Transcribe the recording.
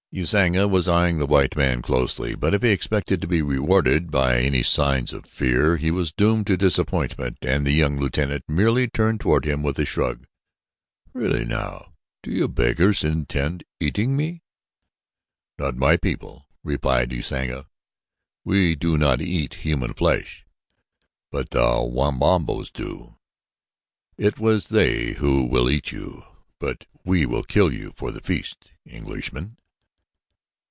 Usanga was eyeing the white man closely, but if he expected to be rewarded by any signs of fear, he was doomed to disappointment and the young lieutenant merely turned toward him with a shrug: "Really now, do you beggars intend eating me?" "Not my people," replied Usanga. "We do not eat human flesh, but the Wamabos do. It is they who will eat you, but we will kill you for the feast, Englishman."